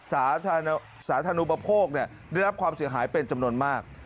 สาธารณูปโภคได้รับความเสียหายเป็นจำนวนมาก